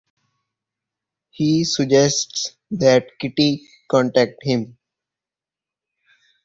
He suggests that Kitty contact him.